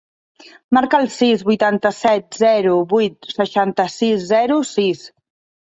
Marca el sis, vuitanta-set, zero, vuit, seixanta-sis, zero, sis.